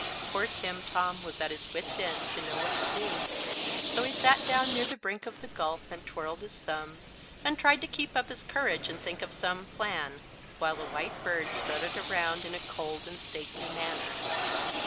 Poor Timtom was at his wits' end to know what to do; so he sat down near the brink of the gulf and twirled his thumbs and tried to keep up his courage and think of some plan, while the white bird strutted around in a cold and stately manner.